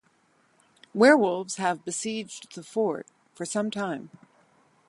Werewolves have besieged the fort for some time.